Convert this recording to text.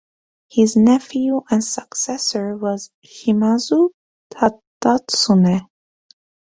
His nephew and successor was Shimazu Tadatsune.